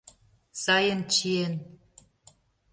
Сайын чиен.